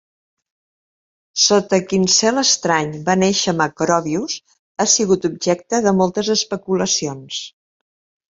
Sota quin "cel estrany" va néixer Macrobius ha sigut objecte de moltes especulacions.